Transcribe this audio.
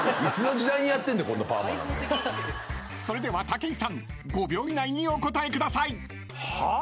［それでは武井さん５秒以内にお答えください］はあ？